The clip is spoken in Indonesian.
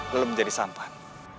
lalu menjadi sampan